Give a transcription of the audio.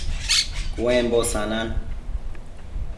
Cuembo sanan